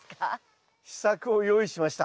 秘策を用意しました。